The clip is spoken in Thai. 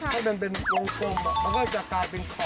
ให้มันเป็นวงโค้งมันก็จะกลายเป็นขอบละ๑อัน